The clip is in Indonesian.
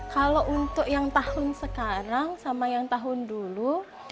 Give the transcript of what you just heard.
kalau untuk yang tahun sekarang sama yang tahun dulu